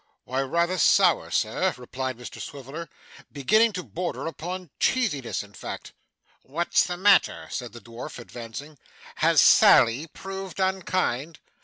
'Why, rather sour, sir,' replied Mr Swiveller. 'Beginning to border upon cheesiness, in fact.' 'What's the matter?' said the dwarf, advancing. 'Has Sally proved unkind.